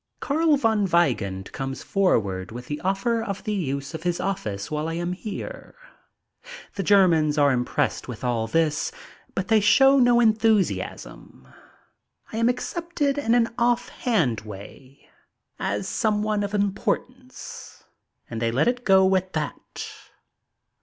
Carl von Weigand comes forward with the offer of the use of his office while I am here. The Germans are impressed with all this, but they show no enthusiasm. I am accepted in an offhand way as some cae of importance and they let it go at that.